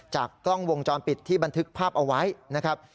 กล้องวงจรปิดที่บันทึกภาพเอาไว้นะครับ